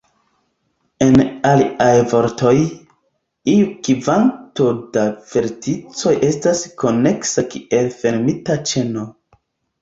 En aliaj vortoj, iu kvanto da verticoj estas koneksa kiel fermita ĉeno.